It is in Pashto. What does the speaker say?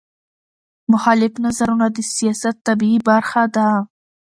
مخالف نظرونه د سیاست طبیعي برخه ده